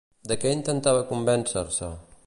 De què intentava convèncer-se?